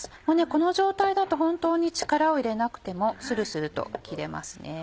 この状態だと本当に力を入れなくてもするすると切れますね。